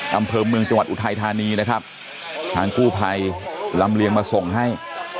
อำเภอเมืองจังหวัดอุทัยธานีนะครับทางกู้ภัยลำเลียงมาส่งให้